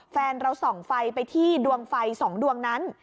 แฟนเราส่องไฟไปที่ดวงไฟ๒ดวงนั้น